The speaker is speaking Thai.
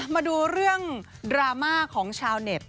มาดูเรื่องดราม่าของชาวเน็ต